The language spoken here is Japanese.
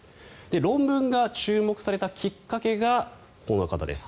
論文が注目されたきっかけがこの方です。